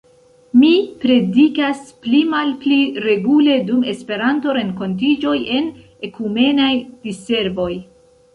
Mi predikas pli-malpli regule dum Esperanto-renkontiĝoj en ekumenaj diservoj.